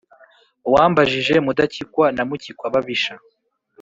Wambajije Mudakikwa na Mukikwababisha,